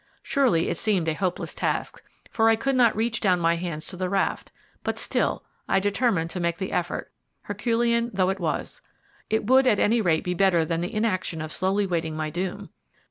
Surely it seemed a hopeless task, for I could not reach down my hands to the raft. But still, I determined to make the effort, herculean though it was. It would at any rate be better than the inaction of slowly waiting my doom.